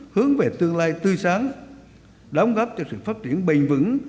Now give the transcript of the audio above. hướng về tương lai tươi sáng đóng gắp cho sự phát triển bình vững